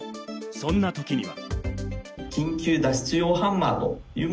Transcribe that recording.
そんなときには。